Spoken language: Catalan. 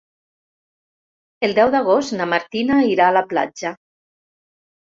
El deu d'agost na Martina irà a la platja.